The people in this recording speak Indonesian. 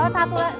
satu lagi dong bu